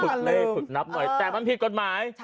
เลขฝึกนับหน่อยแต่มันผิดกฎหมาย